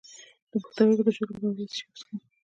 د پښتورګو د شګو لپاره باید څه شی وڅښم؟